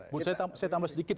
bu saya tambah sedikit